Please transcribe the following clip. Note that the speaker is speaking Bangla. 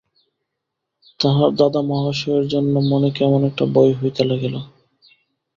তাঁহার দাদা মহাশয়ের জন্য মনে কেমন একটা ভয় হইতে লাগিল।